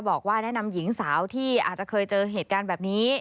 บอกว่าแนะนำหญิงสาวที่อาจจะเคยเจอเหตุการณ์แบบนี้